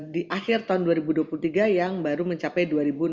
di akhir tahun dua ribu dua puluh tiga yang baru mencapai